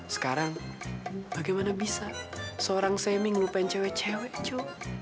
sekarang bagaimana bisa seorang seming ngelupain cewek cewek jo